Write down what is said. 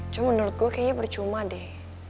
cuma menurut gue kayaknya percuma deh